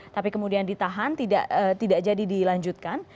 tapi kemudian ditahan tidak jadi dilanjutkan